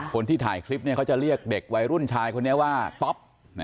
คนที่ถ่ายคลิปเขาจะเรียกเด็กวัยรุ่นชายคนนี้ว่าต๊อป